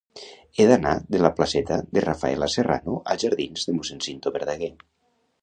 He d'anar de la placeta de Rafaela Serrano als jardins de Mossèn Cinto Verdaguer.